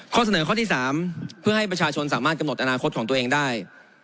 ข้อเสนอข้อที่๓เพื่อให้ประชาชนสามารถกำหนดอนาคตของตัวเองได้